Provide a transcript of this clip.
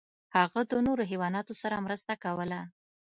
هغه د نورو حیواناتو سره مرسته کوله.